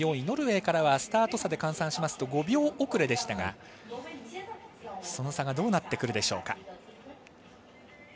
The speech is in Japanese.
ノルウェーからはスタート差で換算しますと５秒遅れでしたがその差がどうなってくるでしょう。